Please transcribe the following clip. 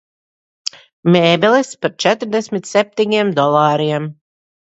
Mēbeles par četrdesmit septiņiem dolāriem.